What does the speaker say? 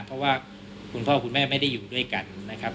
เพราะว่าคุณพ่อคุณแม่ไม่ได้อยู่ด้วยกันนะครับ